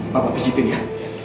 bapak pijitin ya